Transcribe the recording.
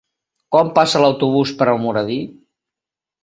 Quan passa l'autobús per Almoradí?